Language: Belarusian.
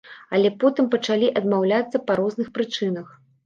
Але потым пачалі адмаўляцца па розных прычынах.